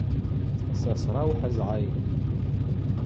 Сасра ухӏызгӏай.